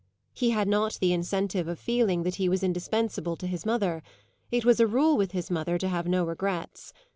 He had not the incentive of feeling that he was indispensable to his mother; it was a rule with his mother to have no regrets.